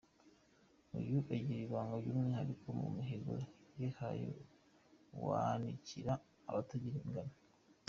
Iyo ugira ibanga ry’umwihariko mu mihigo wihaye, wanikira abatagira ingano.